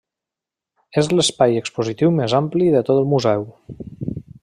És l'espai expositiu més ampli de tot el museu.